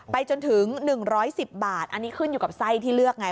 ไปจนถึงหนึ่งร้อยสิบบาทอันนี้ขึ้นอยู่กับไส้ที่เลือกไง